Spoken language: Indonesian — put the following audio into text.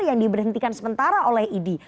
yang diberhentikan sementara oleh idi